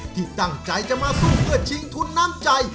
ที่ตั้งใจจะมาสู้เพื่อชิงทุนน้ำใจ